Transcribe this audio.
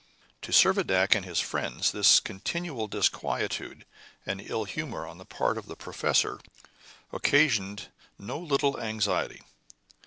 To Servadac and his friends this continual disquietude and ill humor on the part of the professor occasioned no little anxiety.